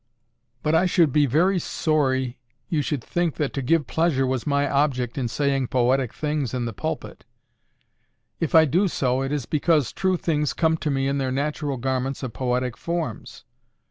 "But I should be very sorry you should think, that to give pleasure was my object in saying poetic things in the pulpit. If I do so, it is because true things come to me in their natural garments of poetic forms.